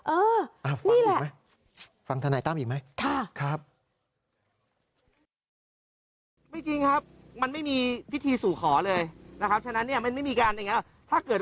เออนี่แหละฟังทนายตั้มอีกไหมฟังทนายตั้มอีกไหม